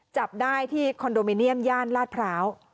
จับได้ที่คอนโดมิเนียมย่านลาดพร้าว